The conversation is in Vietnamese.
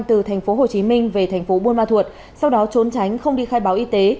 từ thành phố hồ chí minh về thành phố buôn ma thuột sau đó trốn tránh không đi khai báo y tế